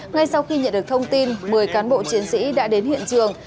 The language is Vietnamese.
ngay sau khi nhận được thông tin một mươi cán bộ chiến sĩ đã đến hiện trường